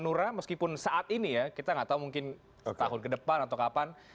nura meskipun saat ini ya kita nggak tahu mungkin tahun ke depan atau kapan